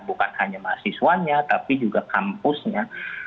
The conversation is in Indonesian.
bukan hanya mahasiswanya tapi juga kampusnya